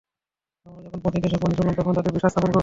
আমরা যখন পথ-নির্দেশক বাণী শুনলাম তখন তাতে বিশ্বাস স্থাপন করলাম।